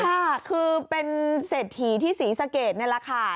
ค่ะคือเป็นเศรษฐีที่ศรีสะเกดนี่แหละค่ะ